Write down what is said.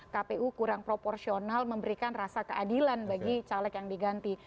kpu kurang proporsional memberikan rasa keadilan bagi caleg yang diganti